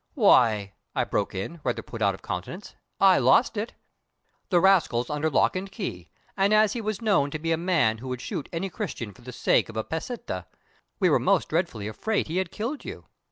"Why," I broke in, rather put out of countenance, "I lost it " "The rascal's under lock and key, and as he was known to be a man who would shoot any Christian for the sake of a peseta, we were most dreadfully afraid he had killed you.